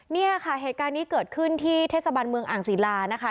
เนี่ยค่ะเหตุการณ์นี้เกิดขึ้นที่เทศบาลเมืองอ่างศิลานะคะ